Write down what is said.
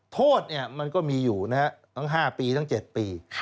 โทษมันก็มีอยู่นะฮะทั้ง๕ปีทั้ง๗ปี